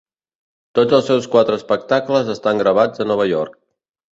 Tots els seus quatre espectacles estan gravats a Nova York.